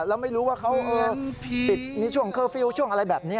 แล้วไม่รู้ว่าเขาปิดมีช่วงเคอร์ฟิลล์ช่วงอะไรแบบนี้